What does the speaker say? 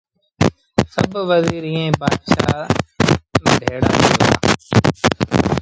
سڀ وزير ائيٚݩ بآتشآ ڀيڙآ ٿئي وهُڙآ